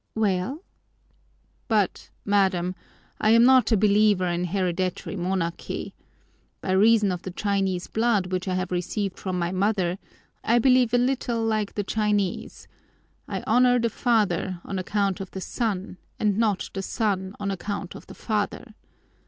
"Well?" "But, madam, I am not a believer in hereditary monarchy. By reason of the Chinese blood which I have received from my mother I believe a little like the Chinese: I honor the father on account of the son and not the son on account of the father.